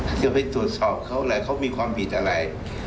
เออเข้าไปตรวจสอบเขาอะไรเขามีความผิดอะไร